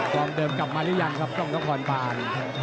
เดิมกลับมาหรือยังครับกล้องนครบาน